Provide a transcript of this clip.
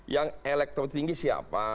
yang elektro tinggi siapa